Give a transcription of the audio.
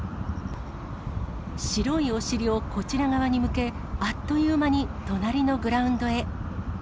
白いお尻をこちら側に向け、あっという間に隣のグラウンドへ。